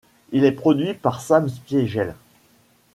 Il est produit par Sam Spiegel.